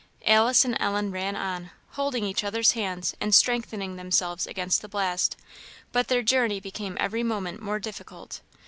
Alice and Ellen ran on, holding each other's hands and strengthening themselves against the blast, but their journey became every moment more difficult.